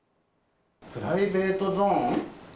プライベートゾーン？